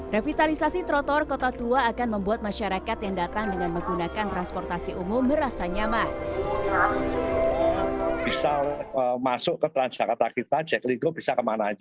revitalisasi trotor kota tua akan membuat masyarakat yang datang dengan menggunakan transportasi umum merasa nyaman